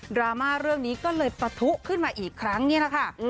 ราม่าเรื่องนี้ก็เลยปะทุขึ้นมาอีกครั้งนี่แหละค่ะ